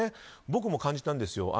僕も感じたんですよ。